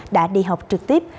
đã đi học trực tiếp